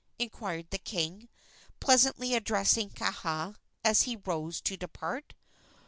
inquired the king, pleasantly addressing Kaha as he rose to depart.